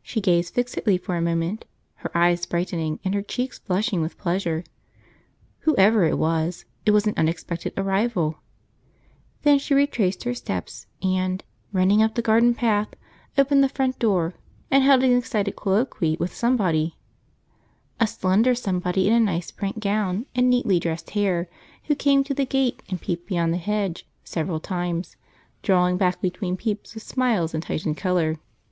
She gazed fixedly for a moment, her eyes brightening and her cheeks flushing with pleasure, whoever it was, it was an unexpected arrival; then she retraced her steps and, running up the garden path, opened the front door and held an excited colloquy with somebody; a slender somebody in a nice print gown and neatly dressed hair, who came to the gate and peeped beyond the hedge several times, drawing back between peeps with smiles and heightened colour.